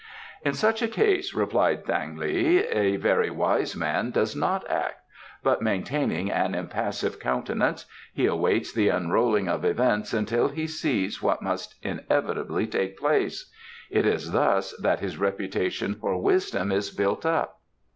"In such a case," replied Thang li, "a very wise man does not act; but maintaining an impassive countenance, he awaits the unrolling of events until he sees what must inevitably take place. It is thus that his reputation for wisdom is built up."